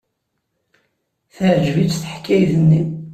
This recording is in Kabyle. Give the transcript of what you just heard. Teɛjeb-itt teḥkayt-nni.